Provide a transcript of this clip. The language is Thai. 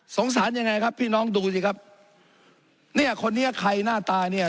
สารยังไงครับพี่น้องดูสิครับเนี่ยคนนี้ใครหน้าตาเนี่ย